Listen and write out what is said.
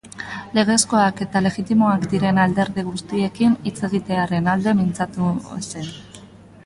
Legezkoak eta legitimoak diren alderdi guztiekin hitz egitearen alde mintzatu zen.